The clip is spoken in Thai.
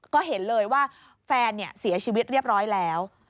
ก็เห็นเลยว่าแฟนเสียชีวิตเรียบร้อยแล้ว